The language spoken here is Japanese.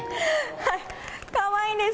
かわいいです。